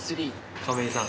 亀井さん！